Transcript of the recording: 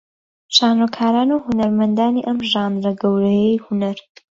شانۆکاران و هونەرمەندانی ئەم ژانرە گەورەیەی هونەر